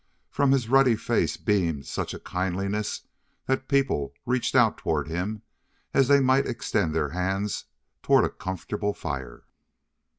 From his ruddy face beamed such a kindliness that people reached out toward him as they might extend their hands toward a comfortable fire.